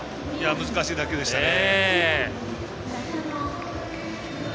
難しい打球でしたね。